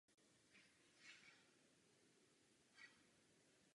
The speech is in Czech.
Studio se proto rozhodlo najmout nového režiséra.